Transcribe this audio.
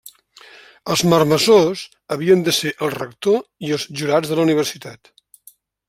Els marmessors havien de ser el rector i els jurats de la universitat.